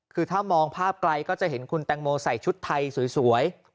คือถ้ามองภาพไกลก็จะเห็นคุณแตงโมใส่ชุดไทยสวย